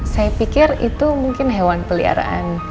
saya pikir itu mungkin hewan peliharaan